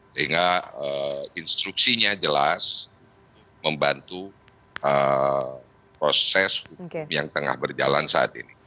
sehingga instruksinya jelas membantu proses hukum yang tengah berjalan saat ini